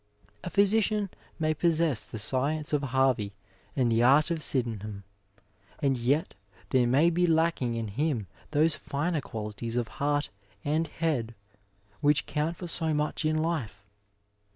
A physician may possess the science of Harvey and the art of Sydenham, and yet there may be lacking in him those finer qualities of heart and head which count for so much in life.